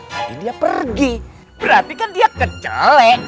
nanti dia pergi berarti kan dia kecelek